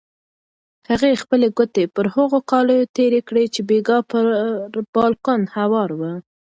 هغې خپلې ګوتې پر هغو کالیو تېرې کړې چې بېګا پر بالکن هوار وو.